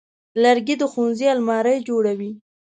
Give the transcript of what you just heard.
لرګی د ښوونځي المارۍ جوړوي.